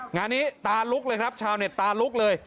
งานนี้ตาลุกเลยครับชาวเน็ตตาลุกเลย